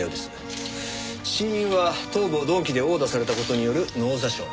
死因は頭部を鈍器で殴打された事による脳挫傷。